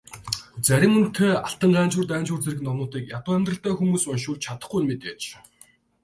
Зарим үнэтэй Алтан Ганжуур, Данжуур зэрэг номуудыг ядуу амьдралтай хүмүүс уншуулж чадахгүй нь мэдээж.